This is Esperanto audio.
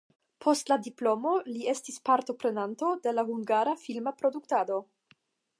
Post la diplomo li estis partoprenanto de la hungara filma produktado.